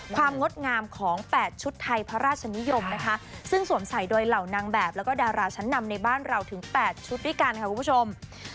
งดงามของ๘ชุดไทยพระราชนิยมนะคะซึ่งสวมใส่โดยเหล่านางแบบแล้วก็ดาราชั้นนำในบ้านเราถึง๘ชุดด้วยกันค่ะคุณผู้ชม